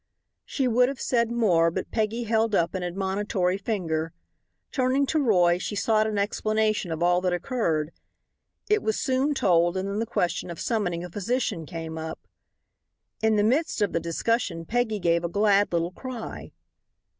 She would have said more, but Peggy held up an admonitory finger. Turning to Roy she sought an explanation of all that occurred. It was soon told, and then the question of summoning a physician came up. In the midst of the discussion Peggy gave a glad little cry.